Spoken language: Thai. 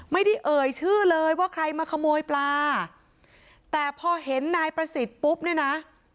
เอ่ยชื่อเลยว่าใครมาขโมยปลาแต่พอเห็นนายประสิทธิ์ปุ๊บเนี่ยนะ